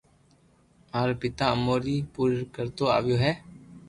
مارو پيتا امو ري پوري ڪرتو آويو ھي